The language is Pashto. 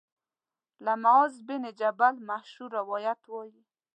له معاذ بن جبل مشهور روایت وايي